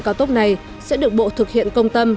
cao tốc này sẽ được bộ thực hiện công tâm